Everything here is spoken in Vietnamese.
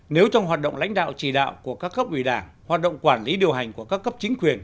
nếu trong hoạt động lãnh đạo chỉ đạo của các cấp ủy đảng hoạt động quản lý điều hành của các cấp chính quyền